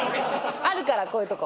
あるからこういうとこ。